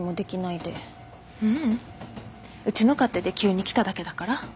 うちの勝手で急に来ただけだから。